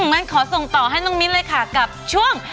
งั้นขอส่งต่อให้น้องมิ้นเลยค่ะกับช่วง